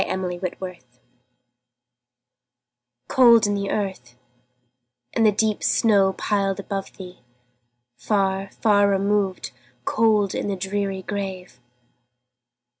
Emily Brontë Remembrance COLD in the earth, and the deep snow piled above thee! Far, far removed, cold in the dreary grave!